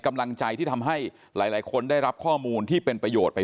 กำลังใจที่ทำให้หลายคนได้รับข้อมูลที่เป็นประโยชน์ไป